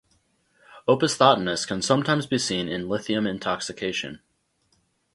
Opisthotonus can sometimes be seen in lithium intoxication.